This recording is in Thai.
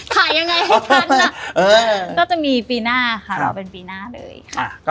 ถ่ายยังไงให้กันอ่ะก็จะเป็นปีหน้าเลยครับ